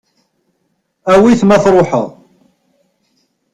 Awi-t ma tṛuḥeḍ.